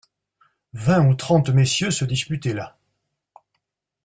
Vingt ou trente messieurs se disputaient là.